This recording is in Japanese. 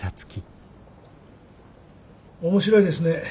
面白いですね。